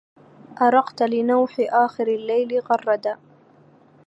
أرقت لنوح آخر الليل غردا